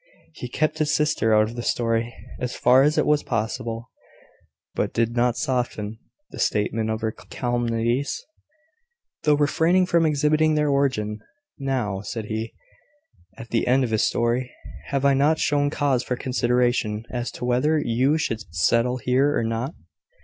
He kept his sister out of the story, as far as it was possible, but did not soften the statement of her calumnies, though refraining from exhibiting their origin. "Now," said he, at the end of his story, "have I not shown cause for consideration, as to whether you should settle here or not?"